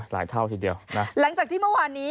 หลายเท่าทีเดียวนะ